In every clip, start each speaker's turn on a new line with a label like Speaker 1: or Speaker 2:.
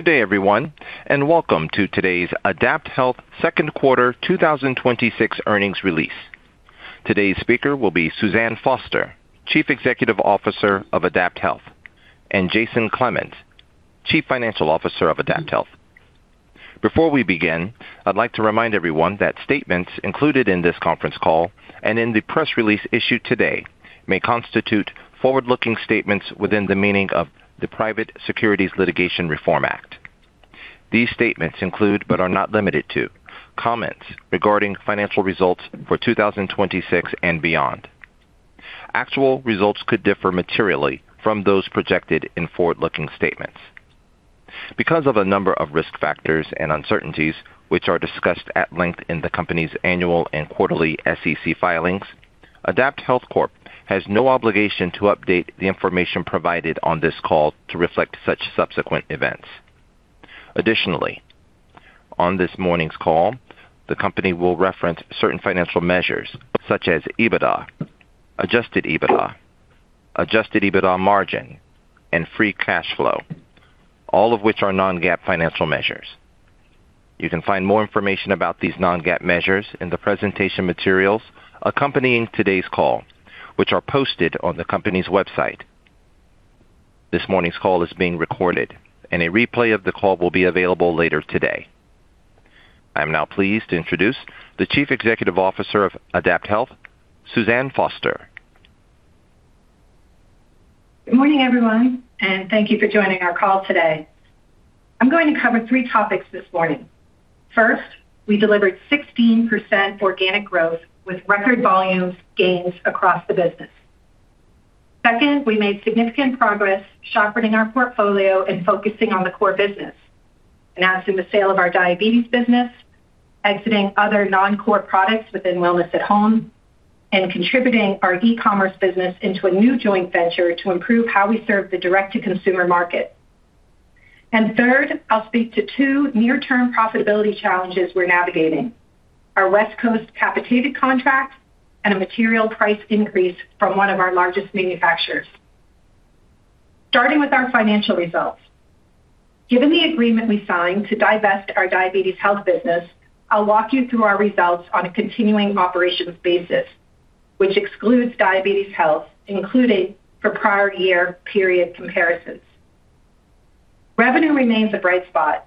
Speaker 1: Good day everyone. Welcome to today's AdaptHealth Second Quarter 2026 Earnings Release. Today's speaker will be Suzanne Foster, Chief Executive Officer of AdaptHealth, and Jason Clemens, Chief Financial Officer of AdaptHealth. Before we begin, I'd like to remind everyone that statements included in this conference call and in the press release issued today may constitute forward-looking statements within the meaning of the Private Securities Litigation Reform Act. These statements include, but are not limited to, comments regarding financial results for 2026 and beyond. Actual results could differ materially from those projected in forward-looking statements. Because of a number of risk factors and uncertainties, which are discussed at length in the company's annual and quarterly SEC filings, AdaptHealth Corp. has no obligation to update the information provided on this call to reflect such subsequent events. Additionally, on this morning's call, the company will reference certain financial measures such as EBITDA, Adjusted EBITDA margin, and free cash flow, all of which are non-GAAP financial measures. You can find more information about these non-GAAP measures in the presentation materials accompanying today's call, which are posted on the company's website. This morning's call is being recorded, a replay of the call will be available later today. I am now pleased to introduce the Chief Executive Officer of AdaptHealth, Suzanne Foster.
Speaker 2: Good morning, everyone. Thank you for joining our call today. I'm going to cover three topics this morning. First, we delivered 16% organic growth with record volumes gains across the business. Second, we made significant progress sharpening our portfolio and focusing on the core business, announcing the sale of Diabetes Health Business, exiting other non-core products within Wellness at Home, and contributing our e-commerce business into a new joint venture to improve how we serve the direct-to-consumer market. Third, I'll speak to two near-term profitability challenges we're navigating: our West Coast capitated contracts and a material price increase from one of our largest manufacturers. Starting with our financial results. Given the agreement we signed to divest our Diabetes Health Business, I'll walk you through our results on a continuing operations basis, which excludes Diabetes Health included for prior year period comparisons. Revenue remains a bright spot.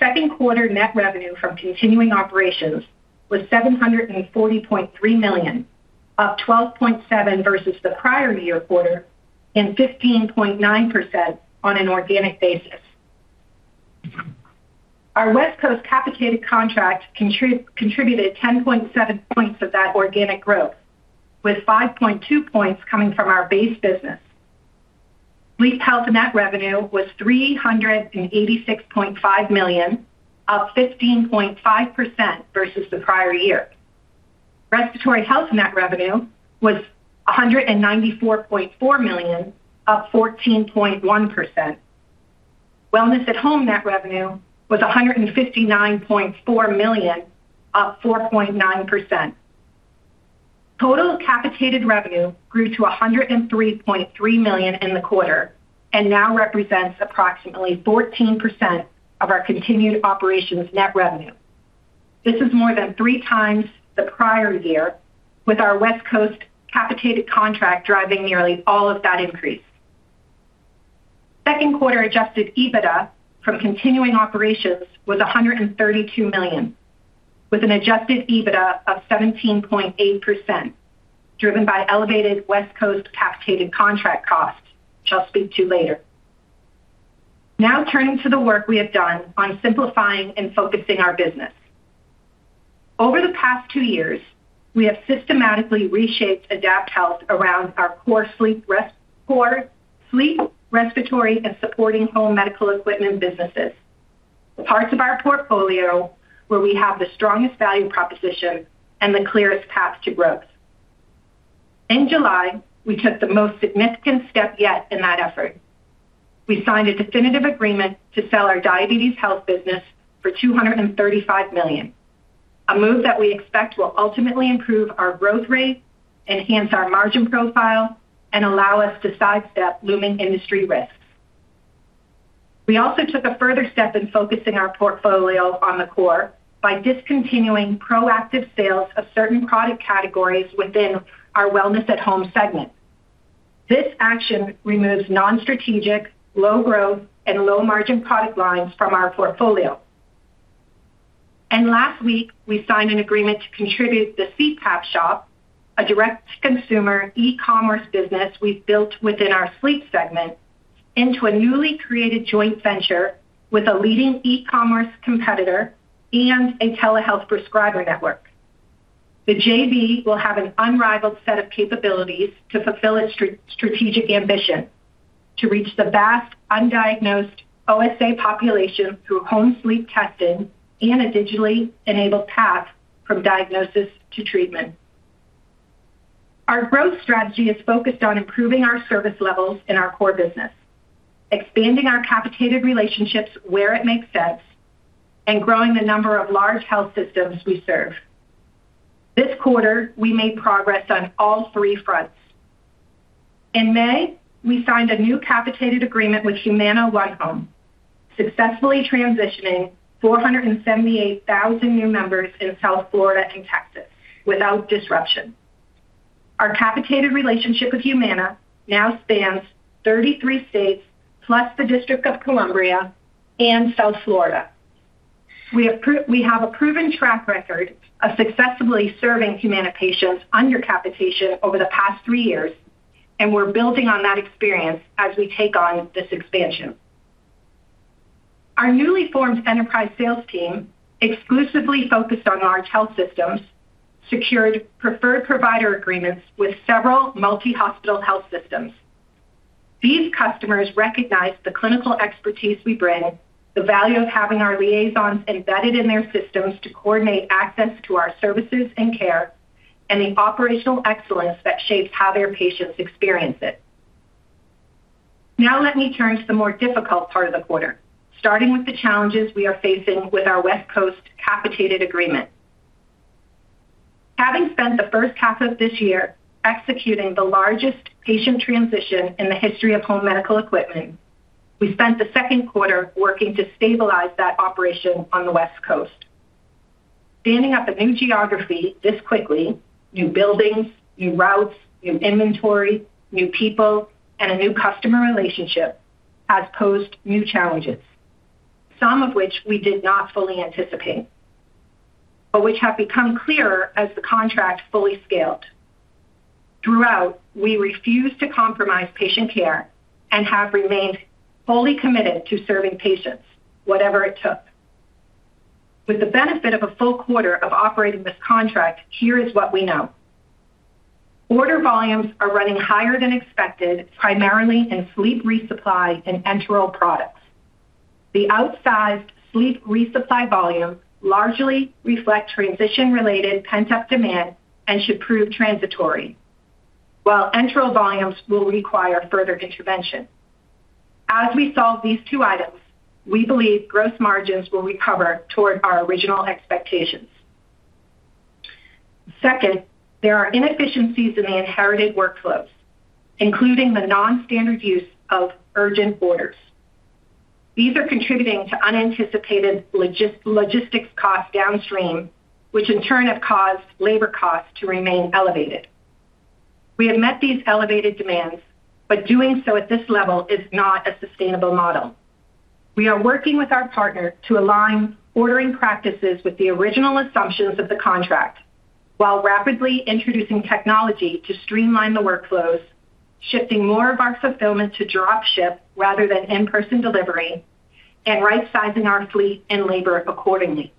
Speaker 2: Second quarter net revenue from continuing operations was $740.3 million, up 12.7% versus the prior year quarter, and 15.9% on an organic basis. Our West Coast capitated contract contributed 10.7 points of that organic growth, with 5.2 points coming from our base business. Sleep Health net revenue was $386.5 million, up 15.5% versus the prior year. Respiratory Health net revenue was $194.4 million, up 14.1%. Wellness at Home net revenue was $159.4 million, up 4.9%. Total capitated revenue grew to $103.3 million in the quarter and now represents approximately 14% of our continued operations net revenue. This is more than three times the prior year with our West Coast capitated contract driving nearly all of that increase. Second quarter Adjusted EBITDA from continuing operations was $132 million, with an Adjusted EBITDA of 17.8%, driven by elevated West Coast capitated contract costs, which I'll speak to later. Turning to the work we have done on simplifying and focusing our business. Over the past two years, we have systematically reshaped AdaptHealth around our core Sleep Health, Respiratory Health, and supporting home medical equipment businesses. The parts of the portfolio where we have the strongest value proposition and the clearest path to growth. In July, we took the most significant step yet in that effort. We signed a definitive agreement to sell our Diabetes Health Business for $235 million. A move that we expect will ultimately improve our growth rate, enhance our margin profile, and allow us to sidestep looming industry risks. We also took a further step in focusing our portfolio on the core by discontinuing proactive sales of certain product categories within our Wellness at Home segment. This action removes non-strategic, low-growth, and low-margin product lines from our portfolio. Last week, we signed an agreement to contribute the CPAP Shop, a direct-to-consumer e-commerce business we've built within our Sleep Health segment, into a newly created joint venture with a leading e-commerce competitor and a telehealth prescriber network. The JV will have an unrivaled set of capabilities to fulfill its strategic ambition to reach the vast undiagnosed OSA population through home sleep testing and a digitally enabled path from diagnosis to treatment. Our growth strategy is focused on improving our service levels in our core business, expanding our capitated relationships where it makes sense, and growing the number of large health systems we serve. This quarter, we made progress on all three fronts. In May, we signed a new capitated agreement with Humana OneHome, successfully transitioning 478,000 new members in South Florida and Texas without disruption. Our capitated relationship with Humana now spans 33 states plus the District of Columbia and South Florida. We have a proven track record of successfully serving Humana patients under capitation over the past three years, and we're building on that experience as we take on this expansion. Our newly formed enterprise sales team, exclusively focused on large health systems, secured preferred provider agreements with several multi-hospital health systems. These customers recognize the clinical expertise we bring, the value of having our liaisons embedded in their systems to coordinate access to our services and care, and the operational excellence that shapes how their patients experience it. Let me turn to the more difficult part of the quarter, starting with the challenges we are facing with our West Coast capitated agreement. Having spent the first half of this year executing the largest patient transition in the history of home medical equipment, we spent the second quarter working to stabilize that operation on the West Coast. Standing up a new geography this quickly, new buildings, new routes, new inventory, new people, and a new customer relationship, has posed new challenges, some of which we did not fully anticipate, but which have become clearer as the contract fully scaled. Throughout, we refused to compromise patient care and have remained fully committed to serving patients, whatever it took. With the benefit of a full quarter of operating this contract, here is what we know. Order volumes are running higher than expected, primarily in Sleep Health resupply and enteral products. The outsized Sleep Health resupply volumes largely reflect transition-related pent-up demand and should prove transitory. While enteral volumes will require further intervention. As we solve these two items, we believe gross margins will recover toward our original expectations. Second, there are inefficiencies in the inherited workflows, including the non-standard use of urgent orders. These are contributing to unanticipated logistics cost downstream, which in turn have caused labor costs to remain elevated. We have met these elevated demands, but doing so at this level is not a sustainable model. We are working with our partner to align ordering practices with the original assumptions of the contract while rapidly introducing technology to streamline the workflows, shifting more of our fulfillment to drop ship rather than in-person delivery, and right sizing our fleet and labor accordingly.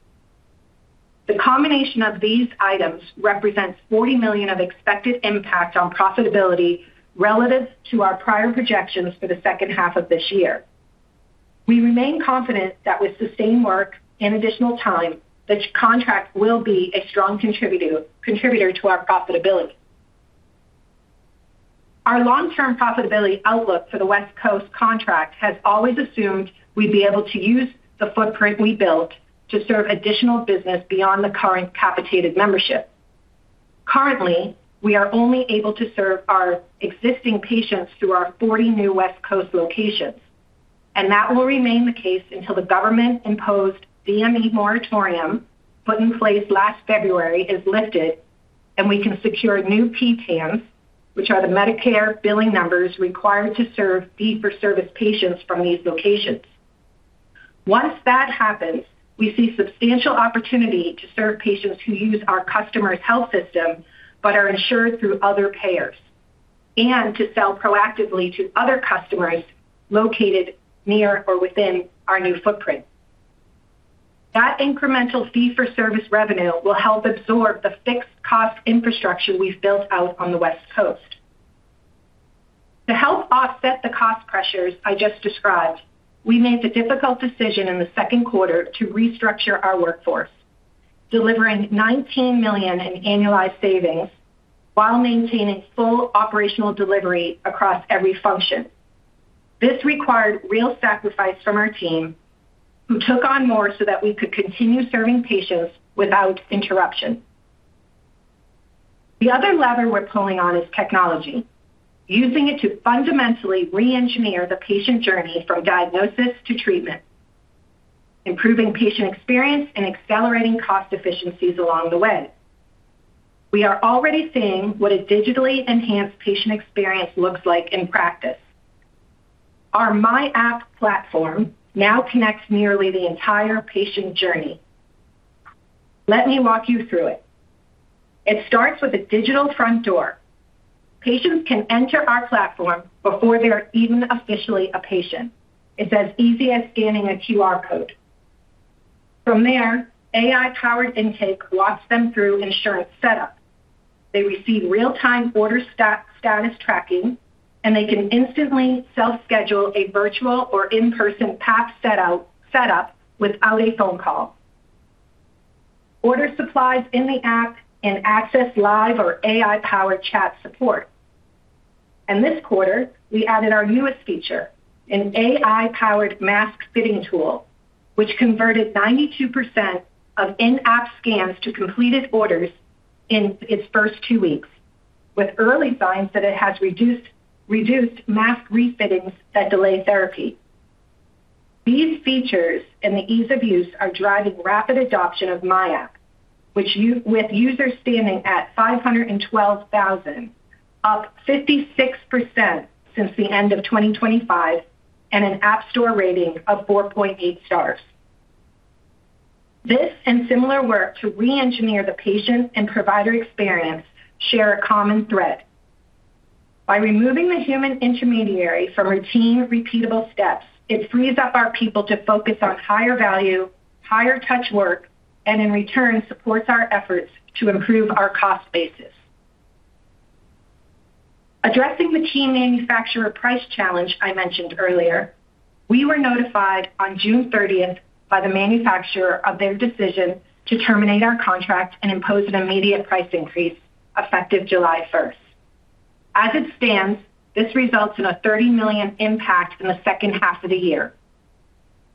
Speaker 2: The combination of these items represents $40 million of expected impact on profitability relative to our prior projections for the second half of this year. We remain confident that with sustained work and additional time, this contract will be a strong contributor to our profitability. Our long-term profitability outlook for the West Coast contract has always assumed we'd be able to use the footprint we built to serve additional business beyond the current capitated membership. Currently, we are only able to serve our existing patients through our 40 new West Coast locations, and that will remain the case until the government-imposed DME moratorium put in place last February is lifted and we can secure new PTANs, which are the Medicare billing numbers required to serve fee-for-service patients from these locations. Once that happens, we see substantial opportunity to serve patients who use our customer's health system but are insured through other payers, and to sell proactively to other customers located near or within our new footprint. That incremental fee-for-service revenue will help absorb the fixed cost infrastructure we've built out on the West Coast. To help offset the cost pressures I just described, we made the difficult decision in the second quarter to restructure our workforce, delivering $19 million in annualized savings while maintaining full operational delivery across every function. This required real sacrifice from our team, who took on more so that we could continue serving patients without interruption. The other lever we're pulling on is technology, using it to fundamentally re-engineer the patient journey from diagnosis to treatment, improving patient experience, and accelerating cost efficiencies along the way. We are already seeing what a digitally enhanced patient experience looks like in practice. Our myAPP platform now connects nearly the entire patient journey. Let me walk you through it. It starts with a digital front door. Patients can enter our platform before they are even officially a patient. It's as easy as scanning a QR code. From there, AI-powered intake walks them through insurance setup. They receive real-time order status tracking, and they can instantly self-schedule a virtual or in-person PAP setup without a phone call. Order supplies in the app and access live or AI-powered chat support. This quarter, we added our newest feature, an AI-powered mask fitting tool which converted 92% of in-app scans to completed orders in its first two weeks, with early signs that it has reduced mask refittings that delay therapy. These features and the ease of use are driving rapid adoption of myAPP, with users standing at 512,000, up 56% since the end of 2025, and an App Store rating of 4.8 stars. This and similar work to re-engineer the patient and provider experience share a common thread. By removing the human intermediary from routine repeatable steps, it frees up our people to focus on higher value, higher touch work, and in return, supports our efforts to improve our cost basis. Addressing the team manufacturer price challenge I mentioned earlier, we were notified on June 30 by the manufacturer of their decision to terminate our contract and impose an immediate price increase effective July 1. As it stands, this results in a $30 million impact in the second half of the year.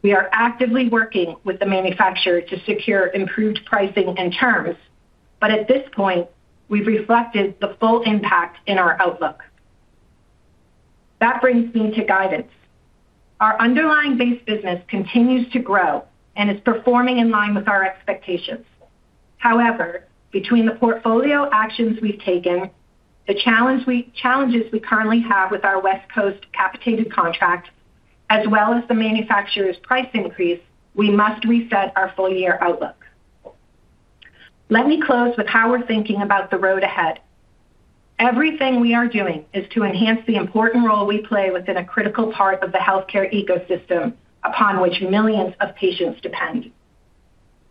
Speaker 2: We are actively working with the manufacturer to secure improved pricing and terms, but at this point, we've reflected the full impact in our outlook. Brings me to guidance. Our underlying base business continues to grow and is performing in line with our expectations. Between the portfolio actions we've taken, the challenges we currently have with our West Coast capitated contract, as well as the manufacturer's price increase, we must reset our full year outlook. Let me close with how we're thinking about the road ahead. Everything we are doing is to enhance the important role we play within a critical part of the healthcare ecosystem upon which millions of patients depend.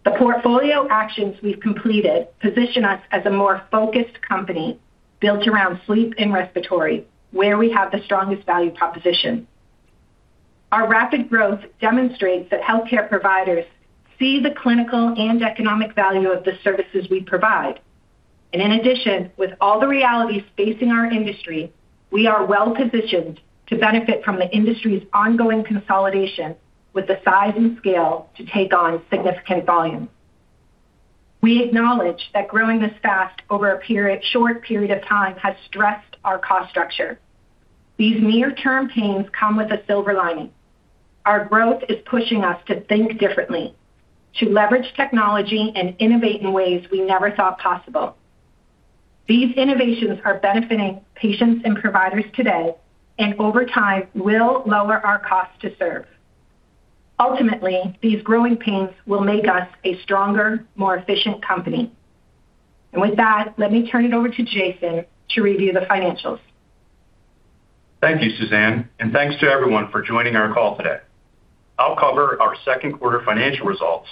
Speaker 2: The portfolio actions we've completed position us as a more focused company built around Sleep Health and Respiratory Health, where we have the strongest value proposition. Our rapid growth demonstrates that healthcare providers see the clinical and economic value of the services we provide. In addition, with all the realities facing our industry, we are well-positioned to benefit from the industry's ongoing consolidation with the size and scale to take on significant volume. We acknowledge that growing this fast over a short period of time has stressed our cost structure. These near-term pains come with a silver lining. Our growth is pushing us to think differently, to leverage technology and innovate in ways we never thought possible. These innovations are benefiting patients and providers today, and over time will lower our cost to serve. Ultimately, these growing pains will make us a stronger, more efficient company. With that, let me turn it over to Jason to review the financials.
Speaker 3: Thank you, Suzanne, and thanks to everyone for joining our call today. I'll cover our second quarter financial results,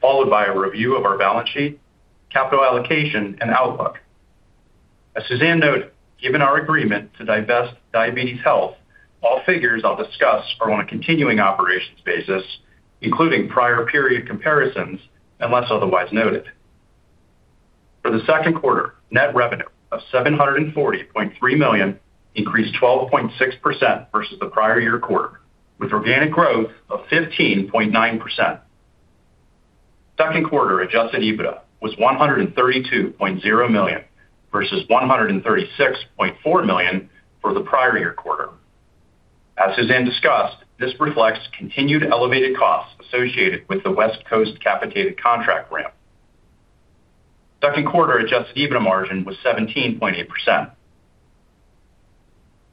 Speaker 3: followed by a review of our balance sheet, capital allocation, and outlook. As Suzanne noted, given our agreement to divest Diabetes Health, all figures I'll discuss are on a continuing operations basis, including prior period comparisons, unless otherwise noted. For the second quarter, net revenue of $740.3 million increased 12.6% versus the prior year quarter, with organic growth of 15.9%. Second quarter Adjusted EBITDA was $132.0 million versus $136.4 million for the prior year quarter. As Suzanne discussed, this reflects continued elevated costs associated with the West Coast capitated contract ramp. Second Adjusted EBITDA margin was 17.8%.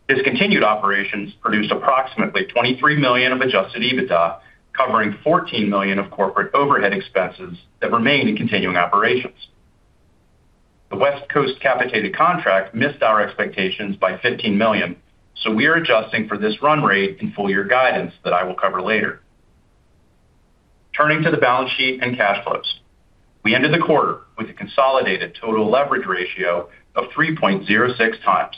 Speaker 3: Discontinued operations produced approximately $23 million of Adjusted EBITDA, covering $14 million of corporate overhead expenses that remain in continuing operations. The West Coast capitated contract missed our expectations by $15 million. We are adjusting for this run rate in full year guidance that I will cover later. Turning to the balance sheet and cash flows. We ended the quarter with a consolidated total leverage ratio of 3.06x.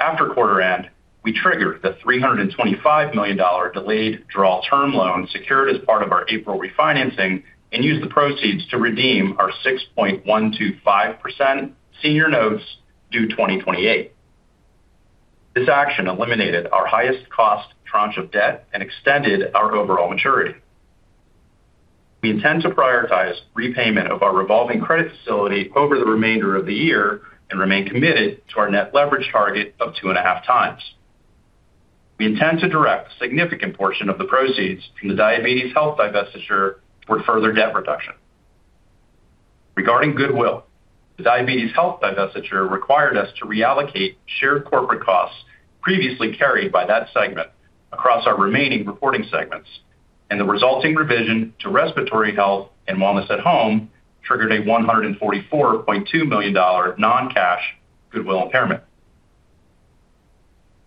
Speaker 3: After quarter end, we triggered the $325 million delayed draw term loan secured as part of our April refinancing and used the proceeds to redeem our 6.125% Senior Notes due 2028. This action eliminated our highest cost tranche of debt and extended our overall maturity. We intend to prioritize repayment of our revolving credit facility over the remainder of the year and remain committed to our net leverage target of 2.5x. We intend to direct a significant portion of the proceeds from the Diabetes Health divestiture for further debt reduction. Regarding goodwill, the Diabetes Health divestiture required us to reallocate shared corporate costs previously carried by that segment across our remaining reporting segments, and the resulting revision to Respiratory Health and Wellness at Home triggered a $144.2 million non-cash goodwill impairment.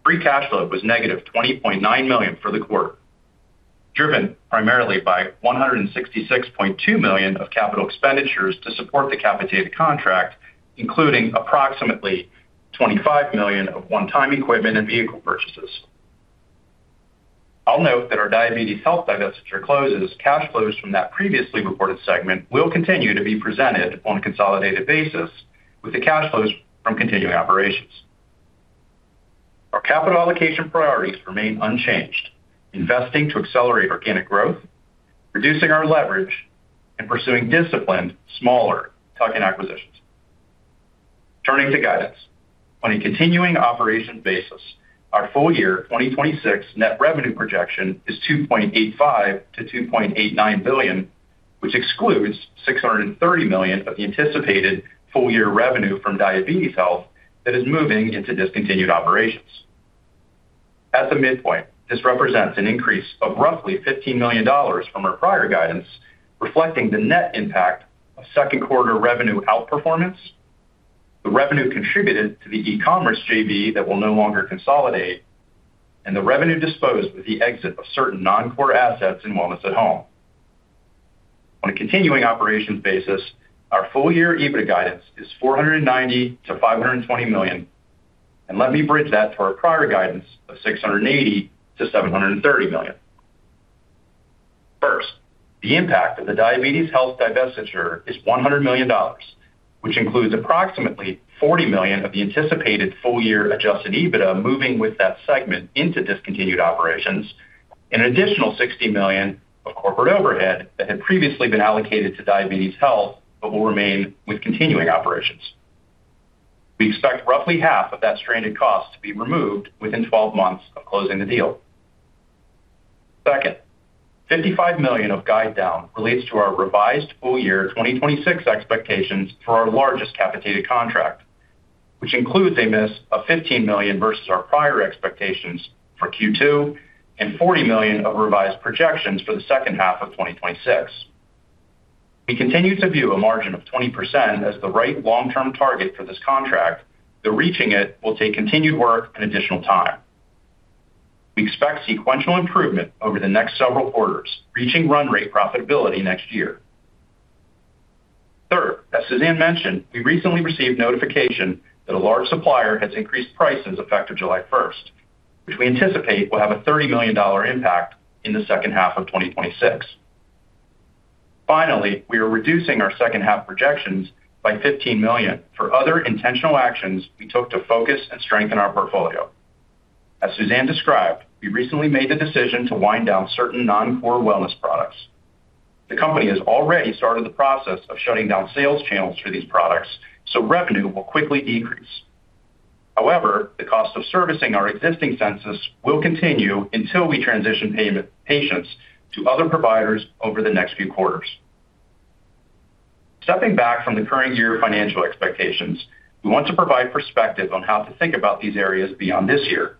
Speaker 3: Free cash flow was -$20.9 million for the quarter, driven primarily by $166.2 million of capital expenditures to support the capitated contract, including approximately $25 million of one-time equipment and vehicle purchases. I'll note that our Diabetes Health divestiture closes cash flows from that previously reported segment will continue to be presented on a consolidated basis with the cash flows from continuing operations. Our capital allocation priorities remain unchanged, investing to accelerate organic growth, reducing our leverage, and pursuing disciplined smaller tuck-in acquisitions. Turning to guidance. On a continuing operations basis, our full year 2026 net revenue projection is $2.85 billion-$2.89 billion, which excludes $630 million of the anticipated full year revenue from Diabetes Health that is moving into discontinued operations. At the midpoint, this represents an increase of roughly $15 million from our prior guidance, reflecting the net impact of second quarter revenue outperformance, the revenue contributed to the e-commerce JV that we'll no longer consolidate, and the revenue disposed with the exit of certain non-core assets in Wellness at Home. On a continuing operations basis, our full year EBITDA guidance is $490 million-$520 million. Let me bridge that to our prior guidance of $680 million-$730 million. First, the impact of the Diabetes Health divestiture is $100 million, which includes approximately $40 million of the anticipated full year Adjusted EBITDA moving with that segment into discontinued operations, an additional $60 million of corporate overhead that had previously been allocated to Diabetes Health, but will remain with continuing operations. We expect roughly half of that stranded cost to be removed within 12 months of closing the deal. Second, $55 million of guide down relates to our revised full year 2026 expectations for our largest capitated contract, which includes a miss of $15 million versus our prior expectations for Q2 and $40 million of revised projections for the second half of 2026. We continue to view a margin of 20% as the right long-term target for this contract, though reaching it will take continued work and additional time. We expect sequential improvement over the next several quarters, reaching run rate profitability next year. Third, as Suzanne mentioned, we recently received notification that a large supplier has increased prices effective July 1st, which we anticipate will have a $30 million impact in the second half of 2026. Finally, we are reducing our second half projections by $15 million for other intentional actions we took to focus and strengthen our portfolio. As Suzanne described, we recently made the decision to wind down certain non-core wellness products. The company has already started the process of shutting down sales channels for these products, so revenue will quickly decrease. However, the cost of servicing our existing census will continue until we transition patients to other providers over the next few quarters. Stepping back from the current year financial expectations, we want to provide perspective on how to think about these areas beyond this year.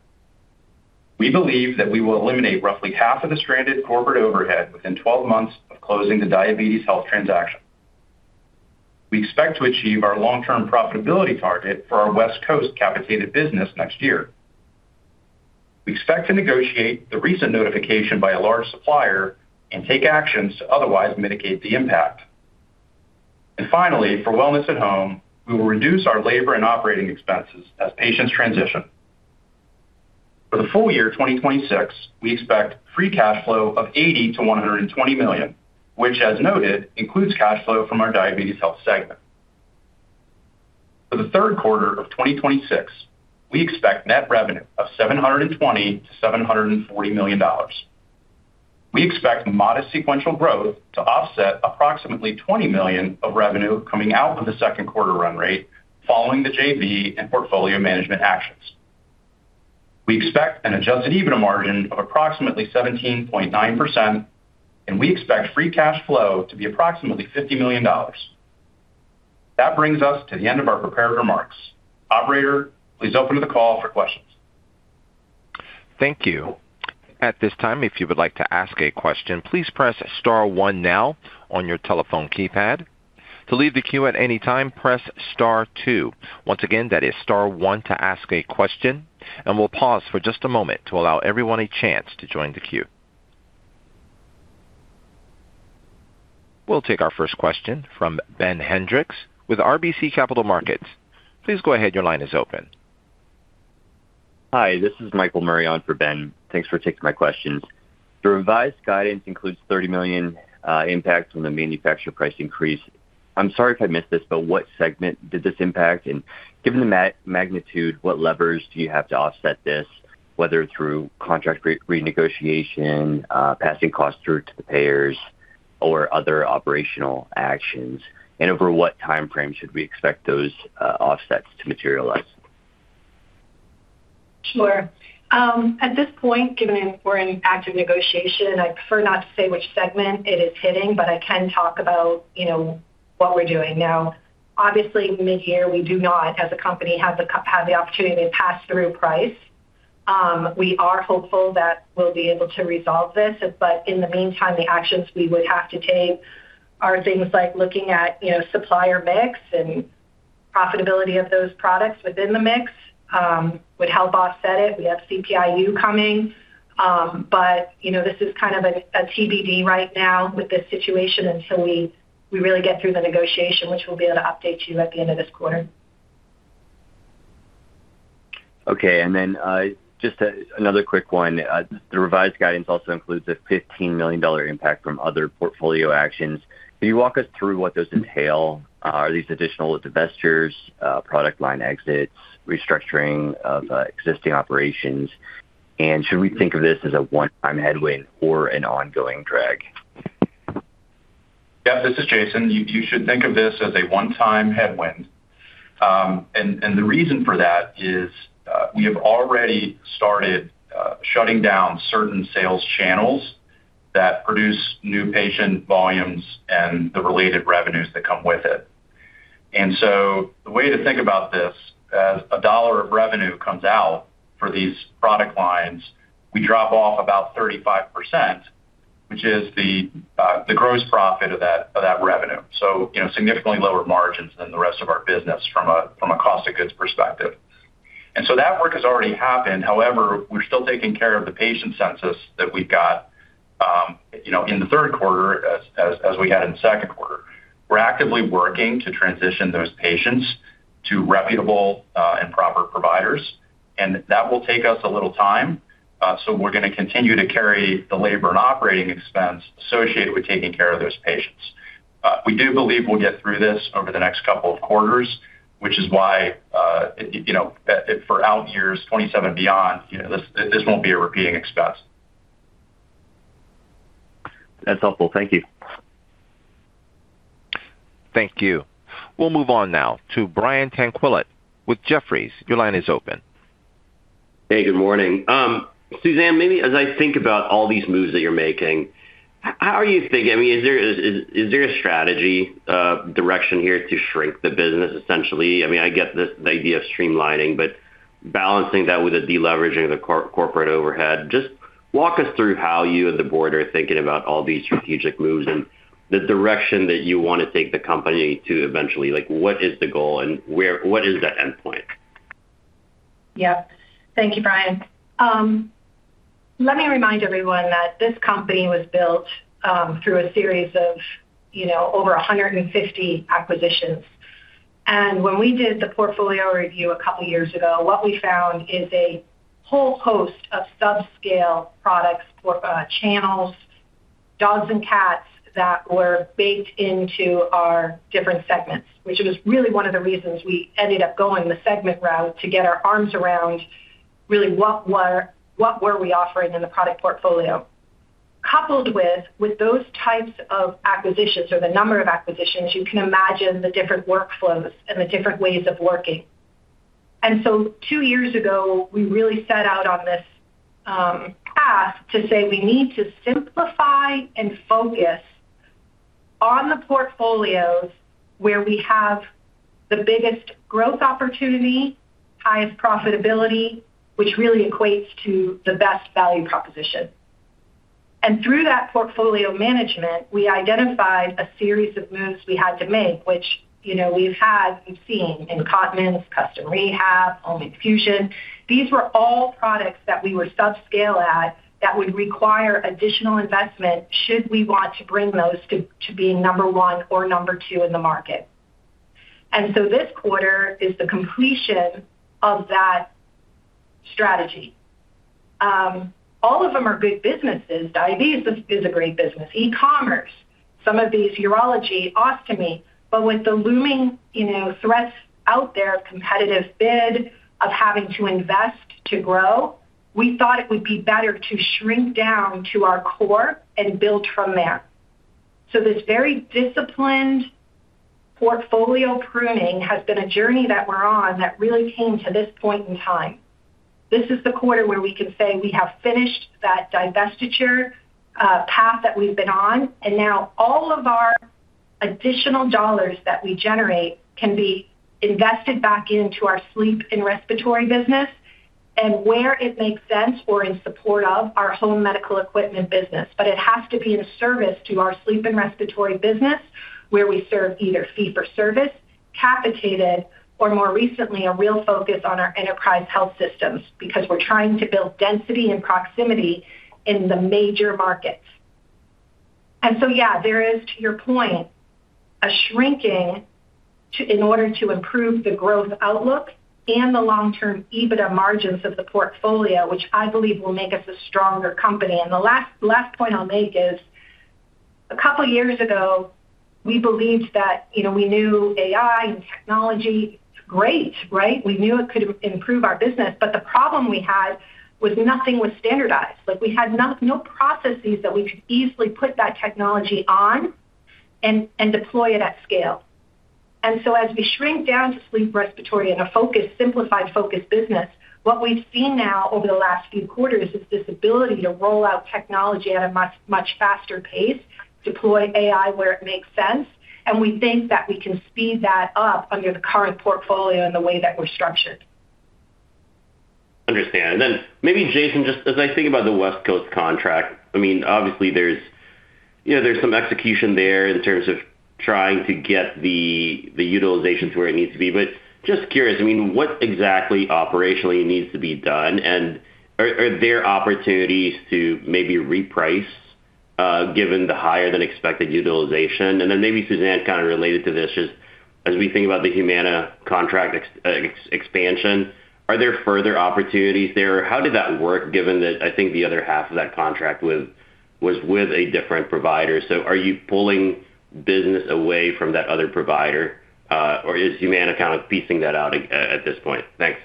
Speaker 3: We believe that we will eliminate roughly half of the stranded corporate overhead within 12 months of closing the Diabetes Health transaction. We expect to achieve our long-term profitability target for our West Coast capitated business next year. We expect to negotiate the recent notification by a large supplier and take actions to otherwise mitigate the impact. Finally, for Wellness at Home, we will reduce our labor and operating expenses as patients transition. For the full year 2026, we expect free cash flow of $80 million-$120 million, which, as noted, includes cash flow from our Diabetes Health segment. For the third quarter of 2026, we expect net revenue of $720 million-$740 million. We expect modest sequential growth to offset approximately $20 million of revenue coming out of the second quarter run rate following the JV and portfolio management actions. We expect Adjusted EBITDA margin of approximately 17.9%, and we expect free cash flow to be approximately $50 million. That brings us to the end of our prepared remarks. Operator, please open the call for questions.
Speaker 1: Thank you. At this time, if you would like to ask a question, please press star one now on your telephone keypad. To leave the queue at any time, press star two. Once again, that is star one to ask a question. We'll pause for just a moment to allow everyone a chance to join the queue. We'll take our first question from Ben Hendrix with RBC Capital Markets. Please go ahead, your line is open.
Speaker 4: Hi, this is Michael Murray on for Ben. Thanks for taking my questions. The revised guidance includes $30 million impact from the manufacturer price increase. I'm sorry if I missed this, but what segment did this impact? Given the magnitude, what levers do you have to offset this, whether through contract renegotiation, passing costs through to the payers, or other operational actions? Over what time frame should we expect those offsets to materialize?
Speaker 2: Sure. At this point, given that we're in active negotiation, I prefer not to say which segment it is hitting, but I can talk about what we're doing now. Obviously, mid-year, we do not, as a company, have the opportunity to pass through price. We are hopeful that we'll be able to resolve this, but in the meantime, the actions we would have to take are things like looking at supplier mix and profitability of those products within the mix would help offset it. We have CPI-U coming. This is kind of a TBD right now with this situation until we really get through the negotiation, which we'll be able to update you at the end of this quarter.
Speaker 4: Okay, then just another quick one. The revised guidance also includes a $15 million impact from other portfolio actions. Can you walk us through what those entail? Are these additional divestitures, product line exits, restructuring of existing operations? Should we think of this as a one-time headwind or an ongoing drag?
Speaker 3: Yeah, this is Jason. You should think of this as a one-time headwind. The reason for that is we have already started shutting down certain sales channels that produce new patient volumes and the related revenues that come with it. The way to think about this, as a dollar of revenue comes out for these product lines, we drop off about 35%, which is the gross profit of that revenue. Significantly lower margins than the rest of our business from a cost of goods perspective. That work has already happened. However, we're still taking care of the patient census that we've got in the third quarter, as we had in the second quarter. We're actively working to transition those patients to reputable and proper providers. That will take us a little time, so we're going to continue to carry the labor and operating expense associated with taking care of those patients. We do believe we'll get through this over the next couple of quarters, which is why, for out years 2027 and beyond, this won't be a repeating expense.
Speaker 4: That's helpful. Thank you.
Speaker 1: Thank you. We'll move on now to Brian Tanquilut with Jefferies. Your line is open.
Speaker 5: Hey, good morning. Suzanne, maybe as I think about all these moves that you're making, how are you thinking? Is there a strategy direction here to shrink the business, essentially? I get the idea of streamlining, but balancing that with a de-leveraging of the corporate overhead. Just walk us through how you and the board are thinking about all these strategic moves and the direction that you want to take the company to eventually. What is the goal and what is the endpoint?
Speaker 2: Yeah. Thank you, Brian. Let me remind everyone that this company was built through a series of over 150 acquisitions. When we did the portfolio review a couple of years ago, what we found is a whole host of subscale products or channels, dogs and cats that were baked into our different segments. Which was really one of the reasons we ended up going the segment route to get our arms around really what were we offering in the product portfolio. Coupled with those types of acquisitions or the number of acquisitions, you can imagine the different workflows and the different ways of working. Two years ago, we really set out on this path to say, we need to simplify and focus on the portfolios where we have the biggest growth opportunity, highest profitability, which really equates to the best value proposition. Through that portfolio management, we identified a series of moves we had to make, we've seen in Continence, Custom Rehab, Home Infusion. These were all products that we were subscale at that would require additional investment should we want to bring those to being number one or number two in the market. This quarter is the completion of that strategy. All of them are good businesses. Diabetes is a great business. E-commerce, some of these Urology, Ostomy. With the looming threats out there of competitive bid, of having to invest to grow, we thought it would be better to shrink down to our core and build from there. This very disciplined portfolio pruning has been a journey that we're on that really came to this point in time. This is the quarter where we can say we have finished that divestiture path that we've been on, now all of our additional dollars that we generate can be invested back into our sleep and respiratory business, and where it makes sense or in support of our home medical equipment business. It has to be in service to our sleep and respiratory business, where we serve either fee for service, capitated, or more recently, a real focus on our enterprise health systems because we're trying to build density and proximity in the major markets. Yeah, there is, to your point, a shrinking in order to improve the growth outlook and the long-term EBITDA margins of the portfolio, which I believe will make us a stronger company. The last point I'll make is, a couple of years ago, we believed that we knew AI and technology. It's great, right? We knew it could improve our business, but the problem we had was nothing was standardized. We had no processes that we could easily put that technology on and deploy it at scale. As we shrink down to sleep respiratory in a simplified, focused business, what we've seen now over the last few quarters is this ability to roll out technology at a much faster pace, deploy AI where it makes sense. We think that we can speed that up under the current portfolio in the way that we're structured.
Speaker 5: Understand. Maybe Jason, just as I think about the West Coast contract, obviously there's some execution there in terms of trying to get the utilizations where it needs to be. Just curious, what exactly operationally needs to be done? Are there opportunities to maybe reprice given the higher than expected utilization? Maybe Suzanne Foster, kind of related to this, just as we think about the Humana contract expansion, are there further opportunities there? How did that work given that I think the other half of that contract was with a different provider. Are you pulling business away from that other provider? Or is Humana kind of piecing that out at this point? Thanks.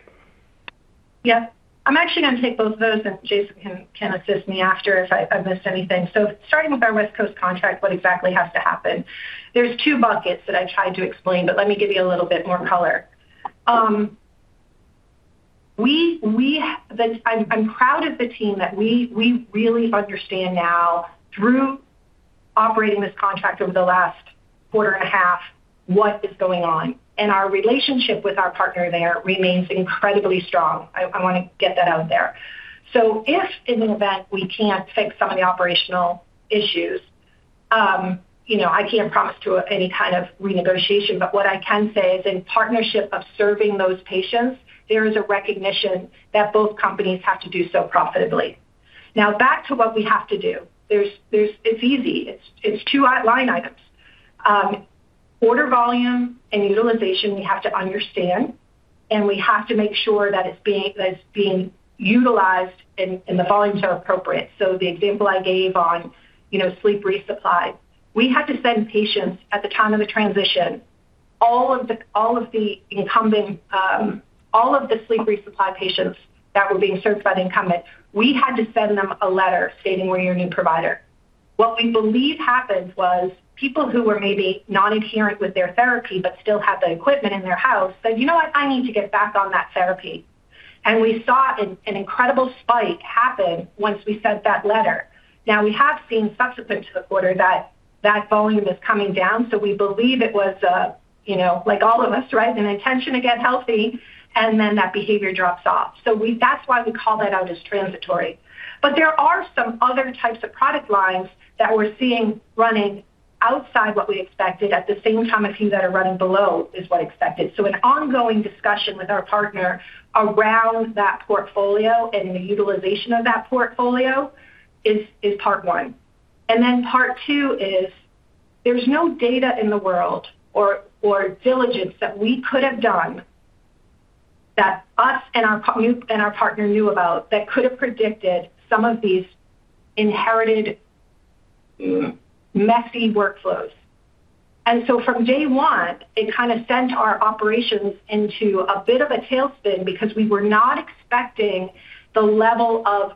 Speaker 2: Yeah. I'm actually going to take both of those, Jason can assist me after if I've missed anything. Starting with our West Coast contract, what exactly has to happen? There's two buckets that I tried to explain, let me give you a little bit more color. I'm proud of the team, that we really understand now through operating this contract over the last quarter and a half, what is going on. Our relationship with our partner there remains incredibly strong. I want to get that out there. If in an event we can't fix some of the operational issues, I can't promise to any kind of renegotiation, what I can say is in partnership of serving those patients, there is a recognition that both companies have to do so profitably. Back to what we have to do. It's easy. It's two line items. Order volume and utilization. We have to understand and we have to make sure that it's being utilized and the volumes are appropriate. The example I gave on sleep resupply. We had to send patients at the time of the transition, all of the sleep resupply patients that were being served by the incumbent, we had to send them a letter stating we're your new provider. What we believe happened was people who were maybe not adherent with their therapy but still had the equipment in their house said, You know what? I need to get back on that therapy. We saw an incredible spike happen once we sent that letter. We have seen subsequent to the quarter that that volume is coming down, we believe it was, like all of us, an intention to get healthy, that behavior drops off. That's why we call that out as transitory. There are some other types of product lines that we're seeing running outside what we expected, at the same time, a few that are running below is what expected. An ongoing discussion with our partner around that portfolio and the utilization of that portfolio is part one. Part two is there's no data in the world or diligence that we could have done that us and our partner knew about that could have predicted some of these inherited messy workflows. From day one, it kind of sent our operations into a bit of a tailspin because we were not expecting the level of,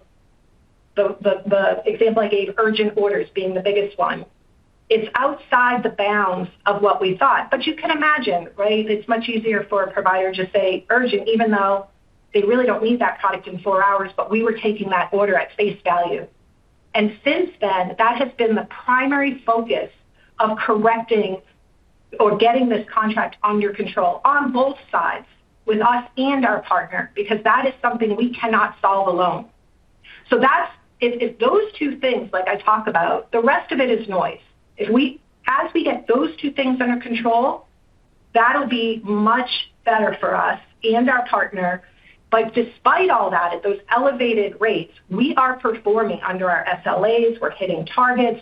Speaker 2: the example I gave, urgent orders being the biggest one. It's outside the bounds of what we thought. You can imagine, it's much easier for a provider to say urgent even though they really don't need that product in four hours, but we were taking that order at face value. Since then, that has been the primary focus of correcting or getting this contract under control on both sides with us and our partner, because that is something we cannot solve alone. It's those two things like I talk about. The rest of it is noise. As we get those two things under control, that'll be much better for us and our partner. Despite all that, at those elevated rates, we are performing under our SLAs. We're hitting targets.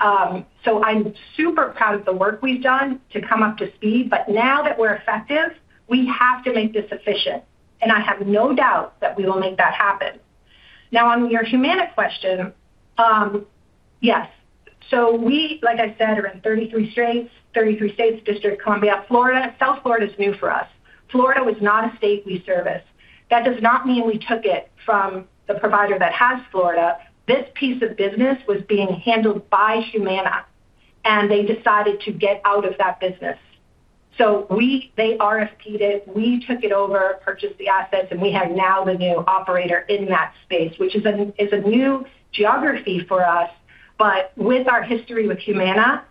Speaker 2: I'm super proud of the work we've done to come up to speed. Now that we're effective, we have to make this efficient. I have no doubt that we will make that happen. Now on your Humana question, yes. We, like I said, are in 33 states, District of Columbia. South Florida is new for us. Florida was not a state we service. That does not mean we took it from the provider that has Florida. This piece of business was being handled by Humana, and they decided to get out of that business. They RFP'd it. We took it over, purchased the assets, and we are now the new operator in that space. Which is a new geography for us, but with our history with Humana,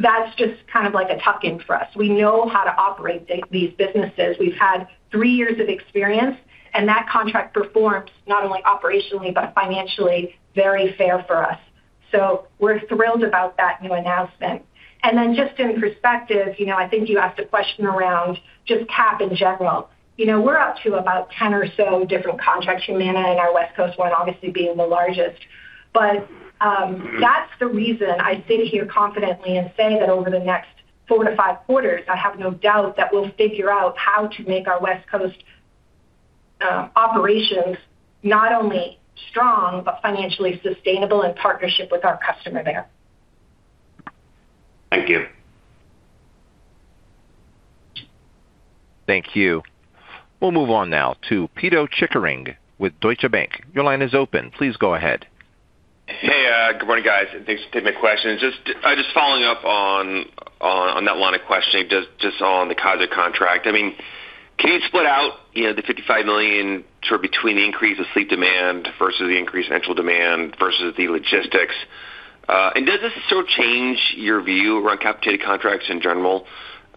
Speaker 2: that's just kind of like a tuck-in for us. We know how to operate these businesses. We've had three years of experience, and that contract performs not only operationally but financially very fair for us. We're thrilled about that new announcement. Just in perspective, I think you asked a question around just Cap in general. We're up to about 10 or so different contracts, Humana and our West Coast one obviously being the largest. That's the reason I sit here confidently and say that over the next four to five quarters, I have no doubt that we'll figure out how to make our West Coast operations not only strong, but financially sustainable in partnership with our customer there.
Speaker 5: Thank you.
Speaker 1: Thank you. We'll move on now to Pito Chickering with Deutsche Bank. Your line is open. Please go ahead.
Speaker 6: Good morning, guys. Thanks for taking my question. Just following up on that line of questioning, just on the Kaiser contract. Can you split out the $55 million sort of between the increase of Sleep demand versus the increase of enteral demand versus the logistics? Does this sort of change your view around capitated contracts in general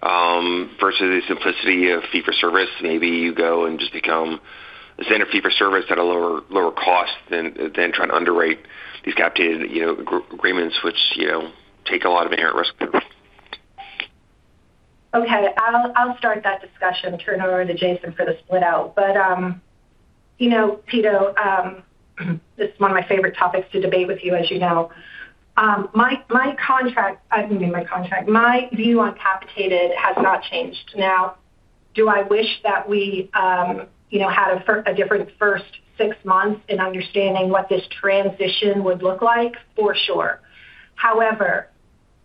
Speaker 6: versus the simplicity of fee for service? Maybe you go and just become the standard fee for service at a lower cost than trying to underwrite these capitated agreements, which take a lot of inherent risk.
Speaker 2: Okay. I'll start that discussion, turn it over to Jason for the split out. Pito, this is one of my favorite topics to debate with you, as you know. My view on capitated has not changed. Now, do I wish that we had a different first six months in understanding what this transition would look like? For sure. However,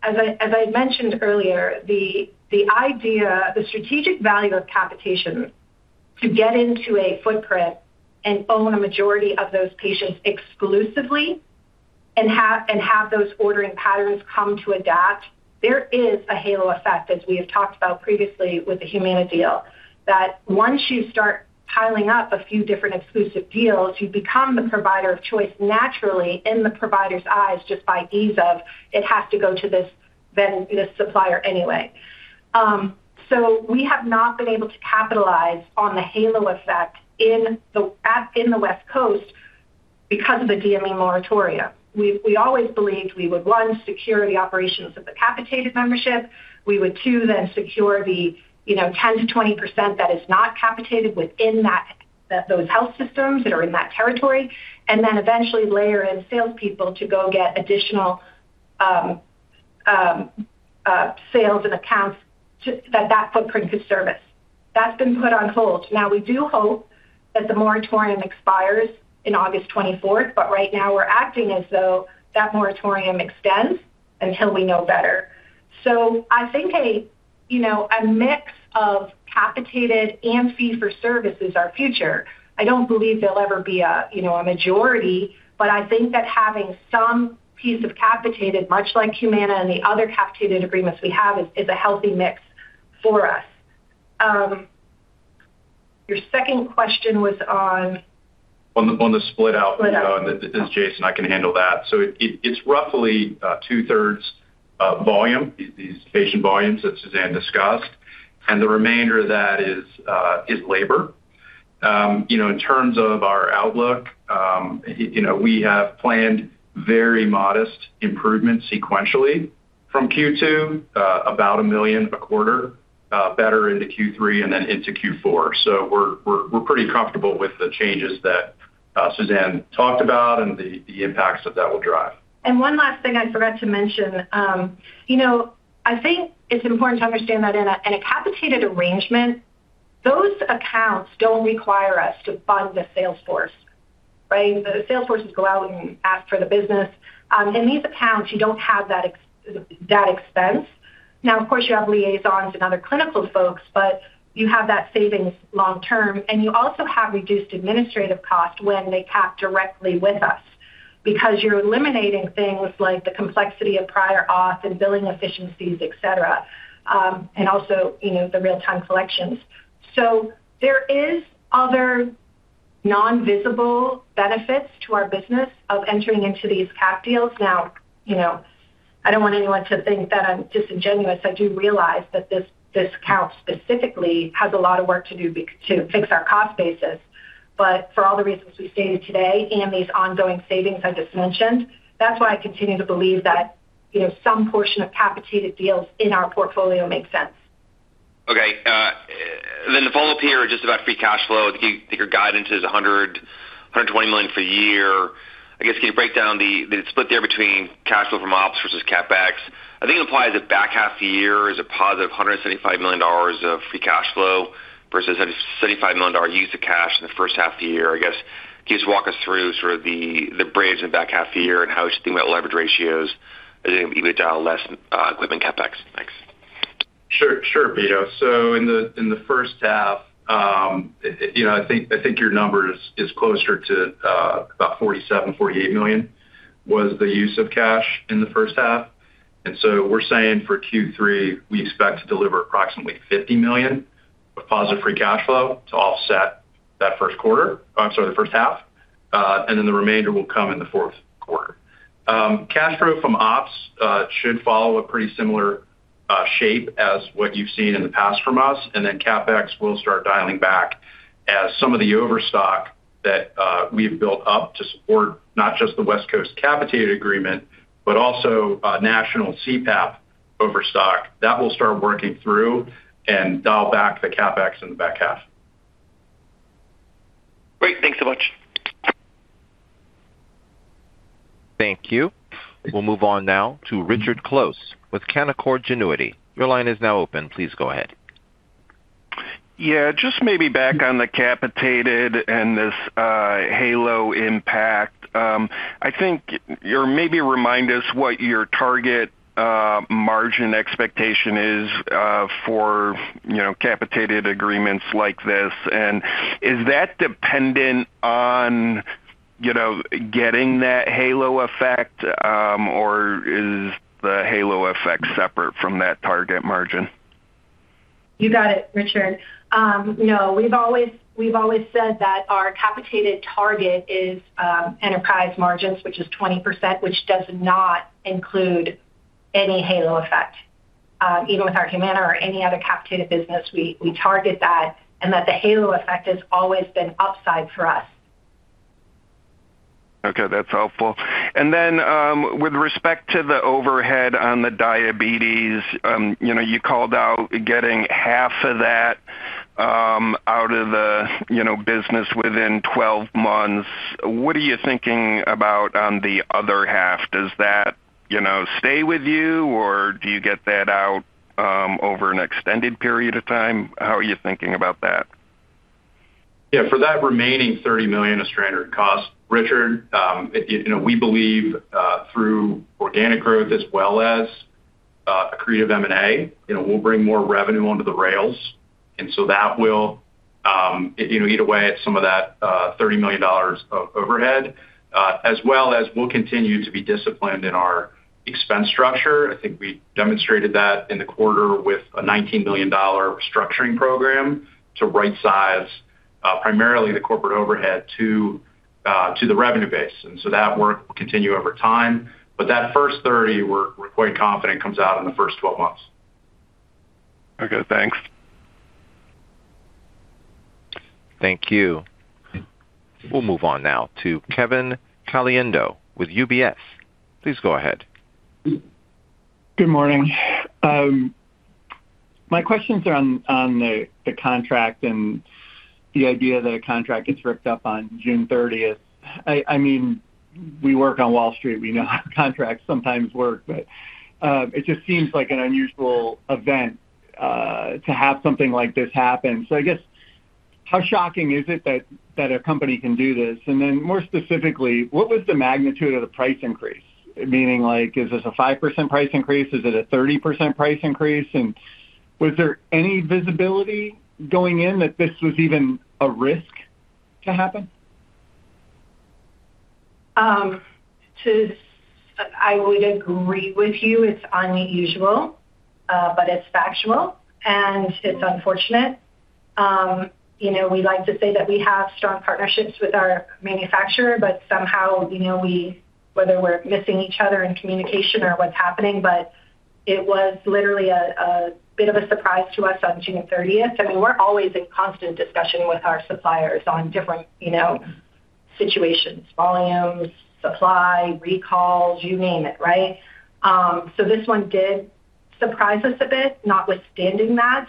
Speaker 2: as I mentioned earlier, the strategic value of capitation to get into a footprint and own a majority of those patients exclusively and have those ordering patterns come to AdaptHealth, there is a halo effect as we have talked about previously with the Humana deal, that once you start piling up a few different exclusive deals, you become the provider of choice naturally in the provider's eyes just by ease of it has to go to this supplier anyway. We have not been able to capitalize on the halo effect in the West Coast because of the DME moratoria. We always believed we would, one, secure the operations of the capitated membership. We would, two, then secure the 10%-20% that is not capitated within those health systems that are in that territory, and then eventually layer in salespeople to go get additional sales and accounts that that footprint could service. That's been put on hold. Now, we do hope that the moratorium expires in August 24th, but right now we're acting as though that moratorium extends until we know better. I think a mix of capitated and fee for service is our future. I don't believe they'll ever be a majority, but I think that having some piece of capitated, much like Humana and the other capitated agreements we have, is a healthy mix for us. Your second question was on-
Speaker 3: On the split out.
Speaker 2: -split out.
Speaker 3: This is Jason, I can handle that. It's roughly two thirds volume, these patient volumes that Suzanne discussed, and the remainder of that is labor. In terms of our outlook, we have planned very modest improvements sequentially from Q2 about $1 million per quarter better into Q3 and then into Q4. We're pretty comfortable with the changes that Suzanne talked about and the impacts that that will drive.
Speaker 2: One last thing I forgot to mention. I think it's important to understand that in a capitated arrangement, those accounts don't require us to fund the sales force. The sales forces go out and ask for the business. In these accounts, you don't have that expense. Of course, you have liaisons and other clinical folks, but you have that savings long term, and you also have reduced administrative cost when they cap directly with us because you're eliminating things like the complexity of Prior Authorization and billing efficiencies, et cetera, and also the real time collections. There is other non-visible benefits to our business of entering into these cap deals. I don't want anyone to think that I'm disingenuous. I do realize that this account specifically has a lot of work to do to fix our cost basis. For all the reasons we've stated today and these ongoing savings I just mentioned, that's why I continue to believe that some portion of capitated deals in our portfolio makes sense.
Speaker 6: Okay. The follow-up here is just about free cash flow. I think your guidance is $100 million-$120 million for the year. I guess, can you break down the split there between cash flow from ops versus CapEx? I think it implies the back half of the year is a +$175 million of free cash flow versus a $75 million use of cash in the first half of the year. I guess, can you just walk us through sort of the bridge in the back half of the year and how we should think about leverage ratios as you dial less equipment CapEx? Thanks.
Speaker 3: Sure, Pito. In the first half, I think your number is closer to about $47 million-$48 million was the use of cash in the first half. We're saying for Q3, we expect to deliver approximately $50 million of positive free cash flow to offset the first half, and then the remainder will come in the fourth quarter. Cash flow from ops should follow a pretty similar shape as what you've seen in the past from us, and then CapEx will start dialing back as some of the overstock that we've built up to support not just the West Coast capitated agreement, but also national CPAP overstock. That will start working through and dial back the CapEx in the back half.
Speaker 6: Great. Thanks so much.
Speaker 1: Thank you. We'll move on now to Richard Close with Canaccord Genuity. Your line is now open. Please go ahead.
Speaker 7: Yeah, just maybe back on the capitated and this halo impact. I think maybe remind us what your target margin expectation is for capitated agreements like this, and is that dependent on getting that halo effect? Or is the halo effect separate from that target margin?
Speaker 2: You got it, Richard. No. We've always said that our capitated target is enterprise margins, which is 20%, which does not include any halo effect. Even with our Humana or any other capitated business, we target that, and that the halo effect has always been upside for us.
Speaker 7: Okay, that's helpful. With respect to the overhead on the Diabetes Health, you called out getting half of that out of the business within 12 months. What are you thinking about on the other half? Does that stay with you, or do you get that out over an extended period of time? How are you thinking about that?
Speaker 3: For that remaining $30 million of stranded cost, Richard, we believe through organic growth as well as accretive M&A, we'll bring more revenue onto the rails, that will eat away at some of that $30 million of overhead, as well as we'll continue to be disciplined in our expense structure. I think we demonstrated that in the quarter with a $19 million restructuring program to right size primarily the corporate overhead to the revenue base. That work will continue over time. That first 30, we're quite confident comes out in the first 12 months.
Speaker 7: Okay, thanks.
Speaker 1: Thank you. We'll move on now to Kevin Caliendo with UBS. Please go ahead.
Speaker 8: Good morning. My questions are on the contract and the idea that a contract gets ripped up on June 30th. We work on Wall Street. We know how contracts sometimes work, it just seems like an unusual event to have something like this happen. I guess, how shocking is it that a company can do this? Then more specifically, what was the magnitude of the price increase? Meaning, is this a 5% price increase? Is it a 30% price increase? Was there any visibility going in that this was even a risk to happen?
Speaker 2: I would agree with you. It's unusual, but it's factual and it's unfortunate. We like to say that we have strong partnerships with our manufacturer, but somehow, whether we're missing each other in communication or what's happening, but it was literally a bit of a surprise to us on June 30th. I mean, we're always in constant discussion with our suppliers on different situations, volumes, supply, recalls, you name it, right? This one did surprise us a bit. Notwithstanding that,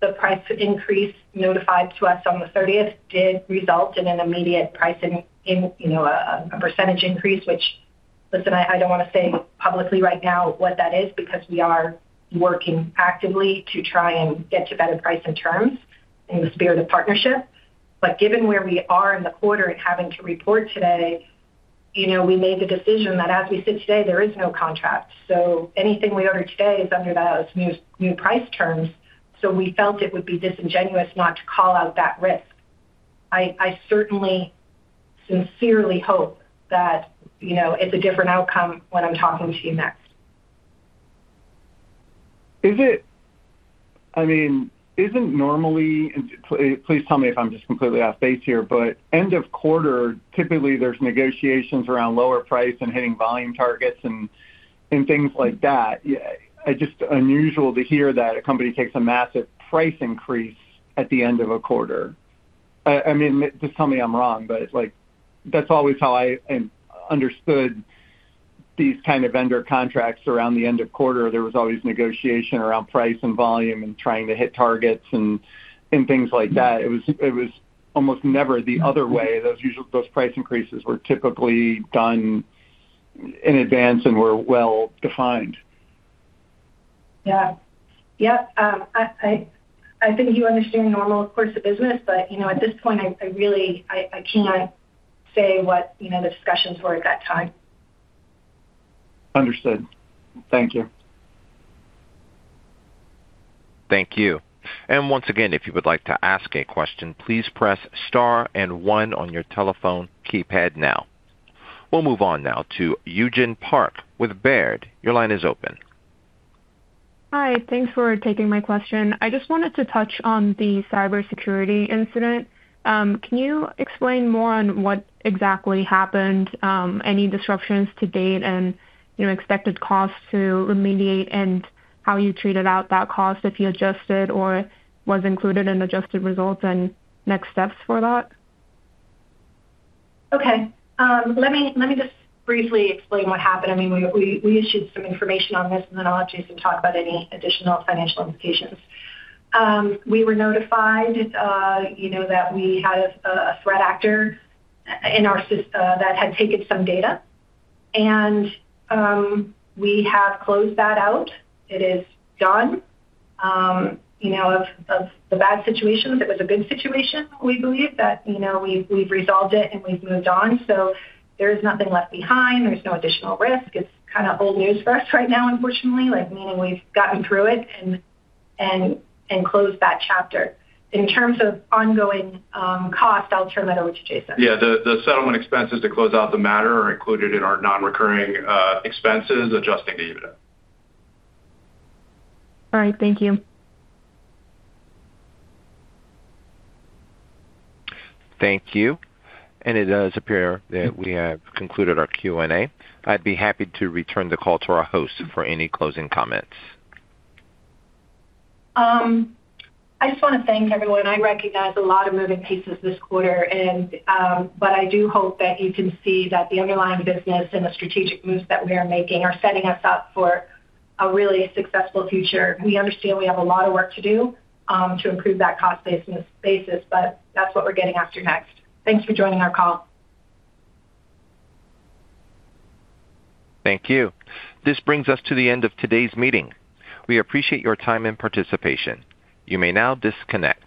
Speaker 2: the price increase notified to us on the 30th did result in an immediate price, a percentage increase, which, listen, I don't want to say publicly right now what that is because we are working actively to try and get to better price and terms in the spirit of partnership. Given where we are in the quarter and having to report today, we made the decision that as we sit today, there is no contract. Anything we order today is under those new price terms. We felt it would be disingenuous not to call out that risk. I certainly sincerely hope that it's a different outcome when I'm talking to you next.
Speaker 8: Isn't normally, please tell me if I'm just completely off base here, but end of quarter, typically there's negotiations around lower price and hitting volume targets and things like that. Just unusual to hear that a company takes a massive price increase at the end of a quarter. Just tell me I'm wrong, but that's always how I understood these kind of vendor contracts. Around the end of quarter, there was always negotiation around price and volume and trying to hit targets and things like that. It was almost never the other way. Those price increases were typically done in advance and were well-defined.
Speaker 2: Yeah. I think you understand normal course of business, at this point, I really can't say what the discussions were at that time.
Speaker 8: Understood. Thank you.
Speaker 1: Thank you. Once again, if you would like to ask a question, please press star and one on your telephone keypad now. We'll move on now to Yujin Park with Baird. Your line is open.
Speaker 9: Hi. Thanks for taking my question. I just wanted to touch on the cybersecurity incident. Can you explain more on what exactly happened, any disruptions to date, and expected costs to remediate and how you treated out that cost, if you adjusted or was included in adjusted results and next steps for that?
Speaker 2: Okay. Let me just briefly explain what happened. We issued some information on this, and then I'll have Jason talk about any additional financial implications. We were notified that we had a threat actor that had taken some data, and we have closed that out. It is done. Of the bad situations, it was a good situation. We believe that we've resolved it, and we've moved on. There's nothing left behind. There's no additional risk. It's kind of old news for us right now, unfortunately, like, meaning we've gotten through it and closed that chapter. In terms of ongoing cost, I'll turn that over to Jason.
Speaker 3: Yeah. The settlement expenses to close out the matter are included in our non-recurring expenses, adjusting the EBITDA.
Speaker 9: All right. Thank you.
Speaker 1: Thank you. It does appear that we have concluded our Q&A. I'd be happy to return the call to our host for any closing comments.
Speaker 2: I just want to thank everyone. I recognize a lot of moving pieces this quarter, but I do hope that you can see that the underlying business and the strategic moves that we are making are setting us up for a really successful future. We understand we have a lot of work to do to improve that cost basis, but that's what we're getting after next. Thanks for joining our call.
Speaker 1: Thank you. This brings us to the end of today's meeting. We appreciate your time and participation. You may now disconnect